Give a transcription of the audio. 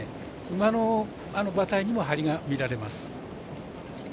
馬の馬体にもハリが見られます。